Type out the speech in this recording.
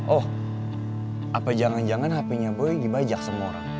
oh apa jangan jangan hpnya boy dibajak sama orang